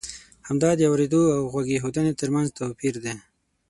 همدا د اورېدو او د غوږ اېښودنې ترمنځ توپی ر دی.